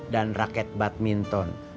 dan raket badminton